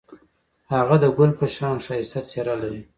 هغه د ګل په شان ښایسته څېره لري.